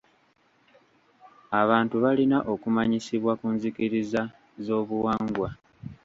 Abantu balina okumanyisibwa ku nzikiriza z'obuwangwa.